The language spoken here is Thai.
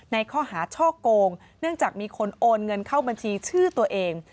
ในข้อหาช่อโกงเนื่องจากมีคนโอนเงินเข้าบัญชีชื่อตัวเอง